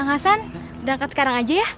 kang hasan udah angkat sekarang aja ya